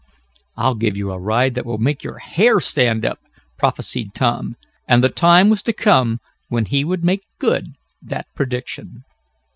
"I'll give you a ride that will make your hair stand up!" prophesied Tom, and the time was to come when he would make good that prediction.